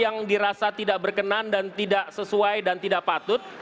yang dirasa tidak berkenan dan tidak sesuai dan tidak patut